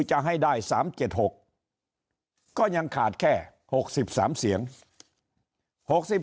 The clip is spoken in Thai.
จะให้ได้สามเจ็ดหกก็ยังขาดแค่หกสิบสามเสียงหกสิบ